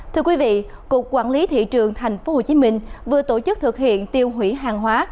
thưa quý vị cục quản lý thị trường tp hcm vừa tổ chức thực hiện tiêu hủy hàng hóa